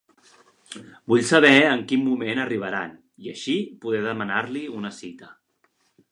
Vull saber en quin moment arribaran, i així poder demar-li una cita.